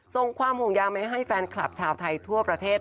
ส่งความห่วงยางไปให้แฟนคลับชาวไทยทั่วประเทศ